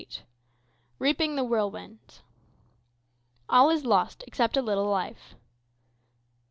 XXVIII. Reaping the Whirlwind "All is lost, except a little life."